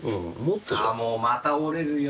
ああもうまた折れるよ。